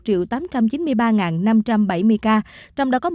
trong đó có một bốn trăm chín mươi bảy bốn trăm ba mươi một ca đã được công bố khỏi bệnh